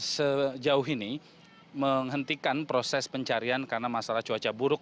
sejauh ini menghentikan proses pencarian karena masalah cuaca buruk